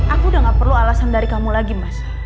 aku udah gak perlu alasan dari kamu lagi mas